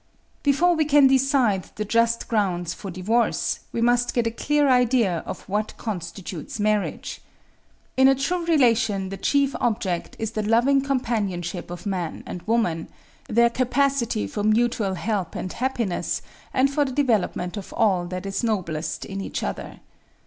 "Before we can decide the just grounds for divorce, we must get a clear idea of what constitutes marriage. In a true relation the chief object is the loving companionship of man and woman, their capacity for mutual help and happiness and for the development of all that is noblest in each other.